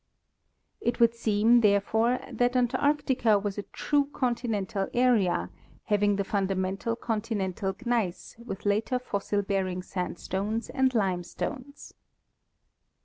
It would seem, therefore, that Antarctica was a true conti nental area, having the fundamental continental gneiss, with later fossil bearing sandstones and limestones.